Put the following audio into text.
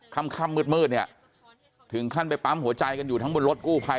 ค่ำมืดเนี่ยถึงขั้นไปปั๊มหัวใจกันอยู่ทั้งบนรถกู้ภัย